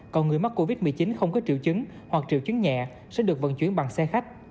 còn người mắc covid một mươi chín không có triệu chứng hoặc triệu chứng nhẹ sẽ được vận chuyển bằng xe khách